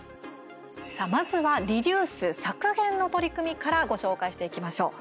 さあ、まずはリデュース削減の取り組みからご紹介していきましょう。